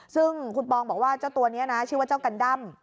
ซึ่งคุณปองบอกว่าเจ้าตัวนี้นะชื่อว่าเจ้ากันด้ำ